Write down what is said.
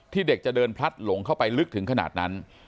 เด็กจะเดินพลัดหลงเข้าไปลึกถึงขนาดนั้น